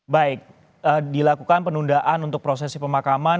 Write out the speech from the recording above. baik dilakukan penundaan untuk prosesi pemakaman